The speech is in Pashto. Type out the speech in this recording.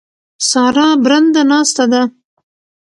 سارا برنده ناسته ده.